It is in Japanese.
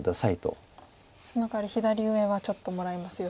そのかわり左上はちょっともらいますよと。